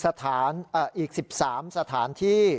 สถานอีก๑๓สถานที่